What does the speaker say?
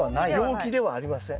病気ではありません。